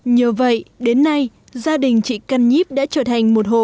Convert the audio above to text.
nhờ vậy đến nay gia đình chị căn nhíp đã trở thành một hộ